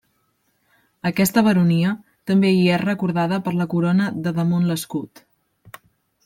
Aquesta baronia també hi és recordada per la corona de damunt l'escut.